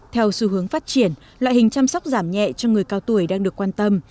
theo xu hướng phát triển loại hình chăm sóc giảm nhẹ cho người cao tuổi đang được quan tâm